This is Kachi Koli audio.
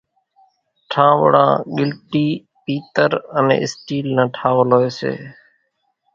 ٺانٻڙان ڳِلٽِي، پيتر انين اِسٽيل نان ٺاول هوئيَ سي۔